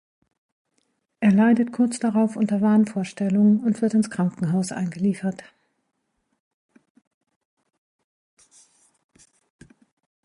Er leidet kurz darauf unter Wahnvorstellungen und wird ins Krankenhaus eingeliefert.